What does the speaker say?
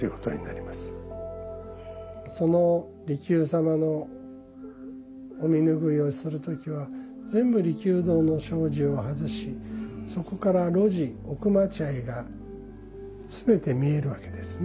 その利休様のお身拭いをする時は全部利休堂の障子を外しそこから露地奥待合が全て見えるわけですね。